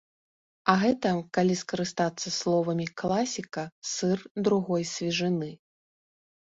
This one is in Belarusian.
А гэта, калі скарыстацца словамі класіка, сыр другой свежыны.